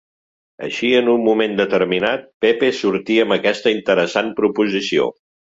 Així, en un moment determinat, Pepe sortí amb aquesta interessant proposició.